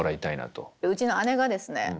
うちの姉がですね